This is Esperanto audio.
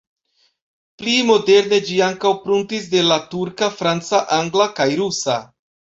Pli moderne ĝi ankaŭ pruntis de la turka, franca, angla kaj rusa.